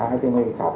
mà lâu dài